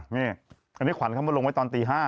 นี่อันนี้ขวัญเขามาลงไว้ตอนตี๕